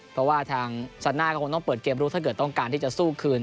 เพราะว่าทางซาน่าก็คงต้องเปิดเกมรู้ถ้าเกิดต้องการที่จะสู้คืน